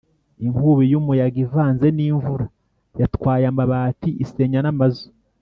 inkubi y’umuyaga ivanze n’imvura yatwaye amabati, isenya n’amazu